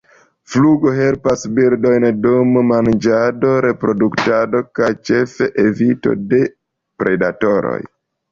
Flugo helpas birdojn dum manĝado, reproduktado kaj ĉefe evito de predantoj.